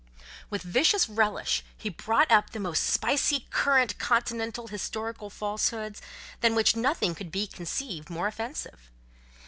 With vicious relish he brought up the most spicy current continental historical falsehoods—than which nothing can be conceived more offensive.